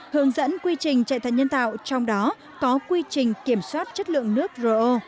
hướng dẫn quy trình chạy thận nhân tạo trong đó có quy trình kiểm soát chất lượng nước ro